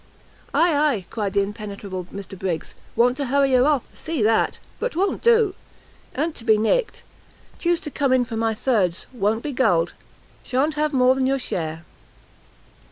"Ay, ay," cried the impenetrable Mr Briggs; "want to hurry her off! see that! But 't won't do; a'n't to be nicked; chuse to come in for my thirds; won't be gulled, sha'n't have more than your share."